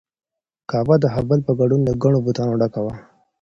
کعبه د هبل په ګډون له ګڼو بتانو ډکه وه.